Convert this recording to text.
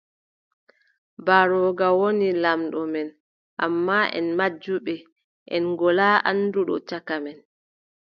Mbarooga woni laamɗo men, ammaa, en majjuɓe, en ngolaa annduɗo caka men.